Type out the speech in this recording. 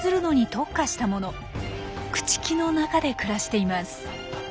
朽ち木の中で暮らしています。